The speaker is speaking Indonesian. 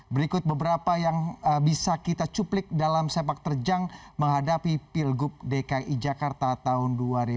berikut beberapa yang bisa kita cuplik dalam sepak terjang menghadapi pilgub dki jakarta tahun dua ribu tujuh belas